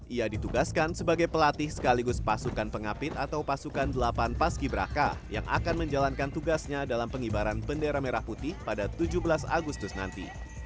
ia ditugaskan sebagai pelatih sekaligus pasukan pengapit atau pasukan delapan paski braka yang akan menjalankan tugasnya dalam pengibaran bendera merah putih pada tujuh belas agustus nanti